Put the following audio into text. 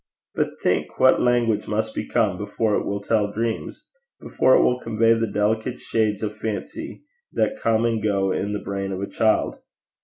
But think what language must become before it will tell dreams! before it will convey the delicate shades of fancy that come and go in the brain of a child!